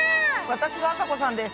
私があさこさんです。